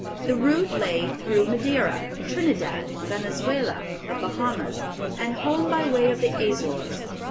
The route lay through Madeira, Trinidad, Venezuela, the Bahamas, and home by way of the Azores.